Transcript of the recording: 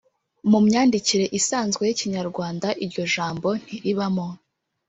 mumyandikire isanzwe y Ikinyarwanda iryo jambo ntiri bamo